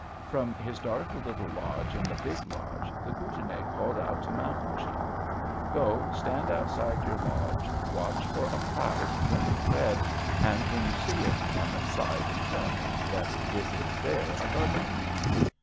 "From his dark little lodge in the big lodge, the Kootenai called out to Mountain Chief: 'Go, stand outside your lodge, watch for a cloud turning red, and when you see it, come inside and tell me that it is there above us.'